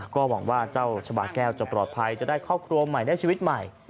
ก็หวังว่าเจ้าชาบาแก้วจะปลอดภัยจะได้ครอบครัวใหม่ได้ชีวิตใหม่